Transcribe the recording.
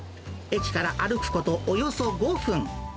駅から歩くこと、およそ５分。